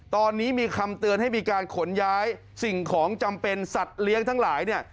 ตอนนี้มีคำเตือนให้มีการขนย้ายสิ่งของจำเป็นสัตว์เลี้ยงทั้งหลายเนี่ย